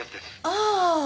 ああ！